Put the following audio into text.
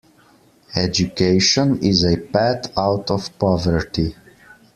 Education is a path out of poverty.